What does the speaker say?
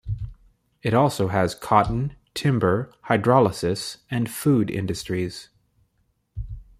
It also has cotton, timber, hydrolysis, and food industries.